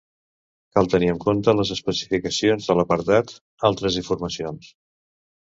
Cal tenir en compte les especificacions de l'apartat 'Altres informacions'.